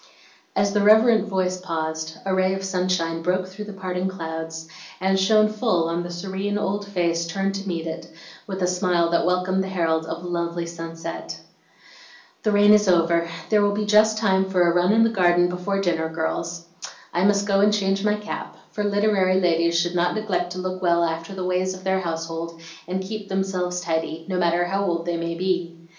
As the reverent voice paused, a ray of sunshine broke through the parting clouds, and shone full on the serene old face turned to meet it, with a smile that welcomed the herald of a lovely sunset. "The rain is over; there will be just time for a run in the garden before dinner, girls. I must go and change my cap, for literary ladies should not neglect to look well after the ways of their household and keep themseves tidy, no matter how old they may be."